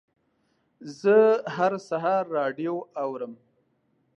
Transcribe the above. زه هر سهار راډیو اورم.